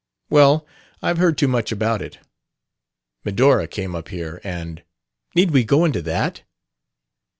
"Well, I've heard too much about it. Medora came up here and " "Need we go into that?"